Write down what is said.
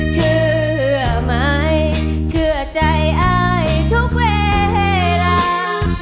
เชื่อไหมเชื่อใจอายทุกเวลา